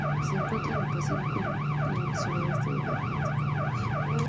Se encuentra en el Pacífico y el suroeste del Atlántico.